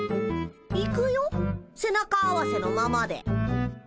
行くよ背中合わせのままで。